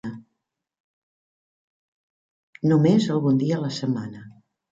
No més algun dia a la setmana